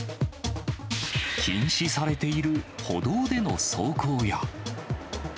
禁止されている歩道での走行や。